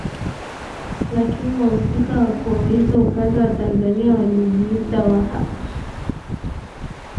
Lakini wahusika wa koo hizo upande wa tanzania walijiita waha